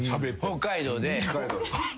北海道で？